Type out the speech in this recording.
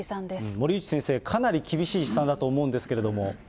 森内先生、かなり厳しい試算だと思うんですけれども。